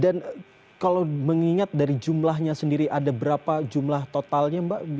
dan kalau mengingat dari jumlahnya sendiri ada berapa jumlah totalnya mbak